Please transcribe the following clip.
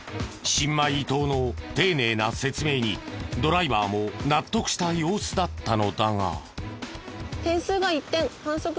新米伊東の丁寧な説明にドライバーも納得した様子だったのだが。